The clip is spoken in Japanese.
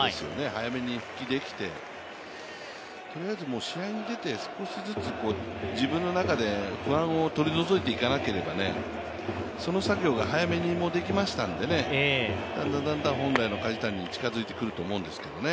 早めに復帰できて、とりあえず試合に出て少しずつ自分の中で不安を取り除いていかなければねその作業が早めにできましたんでだんだん本来の梶谷に、近づいてくると思うんですけどね。